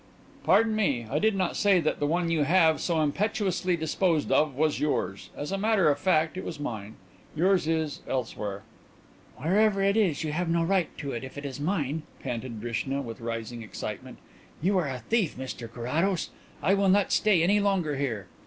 "Pardon me, I did not say that the one you have so impetuously disposed of was yours. As a matter of fact, it was mine. Yours is elsewhere." "Wherever it is you have no right to it if it is mine," panted Drishna, with rising excitement. "You are a thief, Mr Carrados. I will not stay any longer here."